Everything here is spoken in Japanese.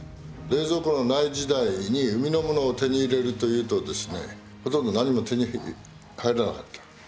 冷蔵庫のない時代に海のものを手に入れるというとですねほとんど何も手に入らなかった。